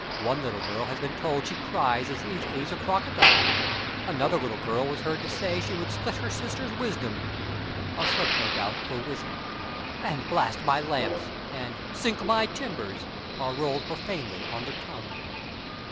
One little girl has been told she cries as easily as a crocodile. Another little girl was heard to say she would slit her sister's wisdom a slip, no doubt, for wizen. And Blast my lamps! and Sink my timbers! are rolled profanely on the tongue.